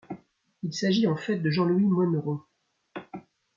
Il s'agit en fait de Jean Louis Monneron.